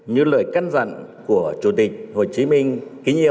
như lời căn dặn của chủ tịch hồ chí minh kinh yêu